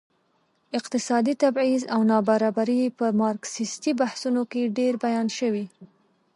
اقتصادي تبعيض او نابرابري په مارکسيستي بحثونو کې ډېر بیان شوي.